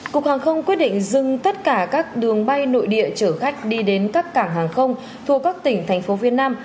cục hàng không quyết định dừng tất cả các đường bay nội địa chở khách đi đến các cảng hàng không thuộc các tỉnh thành phố viên nam